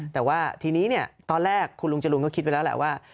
แต่ว่าทีนี้ตอนแรกคุณลุงจรูนก็คิดไปแล้วแหละว่า